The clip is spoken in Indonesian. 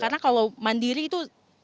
karena kalau mandiri itu